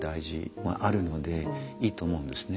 まああるのでいいと思うんですね。